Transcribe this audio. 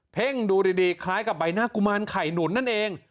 ่งดูดีคล้ายกับใบหน้ากุมารไข่หนุนนั่นเอง